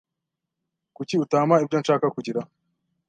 Kuki utampa ibyo nshaka kugira?